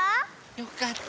よかった。